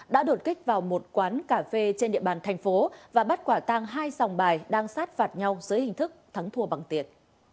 đã đột kích vào một quán cà phê trên địa bàn thành phố và bắt quả tang hai sòng bài đang sát phạt nhau dưới hình thức thắng thua bằng tiền